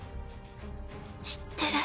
知ってる。